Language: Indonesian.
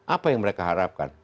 apa yang mereka harapkan